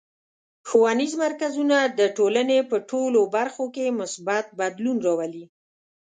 ښوونیز مرکزونه د ټولنې په ټولو برخو کې مثبت بدلون راولي.